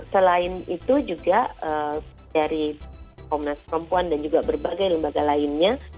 selain itu juga dari komnas perempuan dan juga berbagai lembaga lainnya